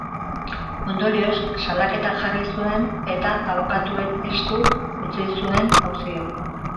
Ondorioz, salaketa jarri zuen eta abokatuen esku utzi zuen auzia.